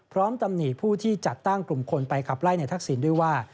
ตำหนิผู้ที่จัดตั้งกลุ่มคนไปขับไล่ในทักษิณด้วยว่า